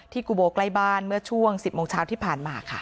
กูโบใกล้บ้านเมื่อช่วง๑๐โมงเช้าที่ผ่านมาค่ะ